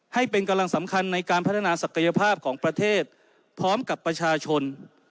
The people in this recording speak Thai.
ให้เป็นกำลังสำคัญในการพัฒนาศักยภาพของประเทศพร้อมกับประชาชน